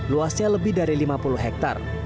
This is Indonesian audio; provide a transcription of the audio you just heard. luasnya lebih dari lima puluh hektare